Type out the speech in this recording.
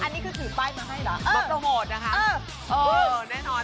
อันนี้คือสีป้ายมาให้เหรอ